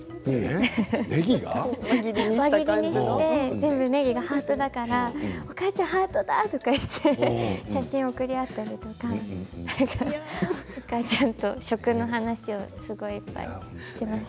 全部ねぎがハートだからお母ちゃん、ハートだって写真を送り合ったりとかお母ちゃんと食の話をすごいいっぱいしてました。